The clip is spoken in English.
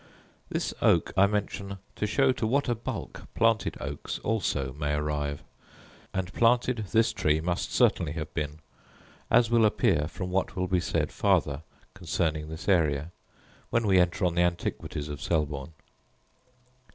This oak I mention to show to what a bulk planted oaks also may arrive: and planted this tree must certainly have been, as will appear from what will be said farther concerning this area, when we enter on the antiquities of Selborne.